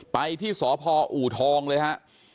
ไปที่สพอูทองเลยฮะ